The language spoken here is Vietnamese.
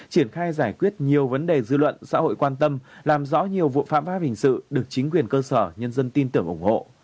triển khai giải quyết nhiều vấn đề dư luận xã hội quan tâm làm rõ nhiều vụ phạm pháp hình sự được chính quyền cơ sở nhân dân tin tưởng ủng hộ